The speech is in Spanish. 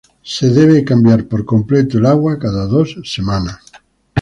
El agua debe ser cambiada por completo cada dos semanas.